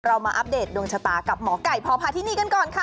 เรามาอัปเดตดวงชะตากับหมอไก่พอพาที่นี่กันก่อนค่ะ